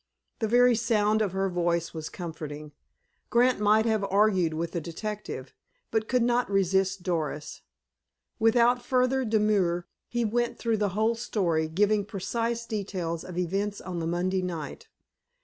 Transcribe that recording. The very sound of her voice was comforting. Grant might have argued with the detective, but could not resist Doris. Without further demur he went through the whole story, giving precise details of events on the Monday night.